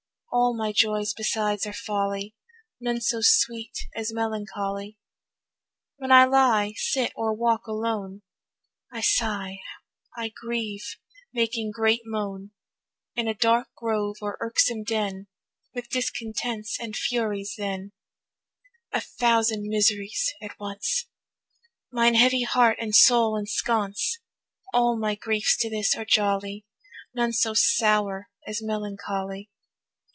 All my joys besides are folly, None so sweet as melancholy. When I lie, sit, or walk alone, I sigh, I grieve, making great moan, In a dark grove, or irksome den, With discontents and Furies then, A thousand miseries at once Mine heavy heart and soul ensconce, All my griefs to this are jolly, None so sour as melancholy.